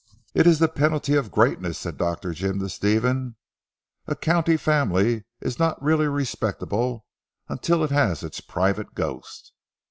"It is the penalty of greatness," said Dr. Jim to Stephen, "a county family is not really respectable until it has its private ghost."